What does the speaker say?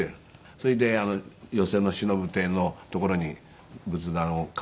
それで寄席のしのぶ亭のところに仏壇を構えて。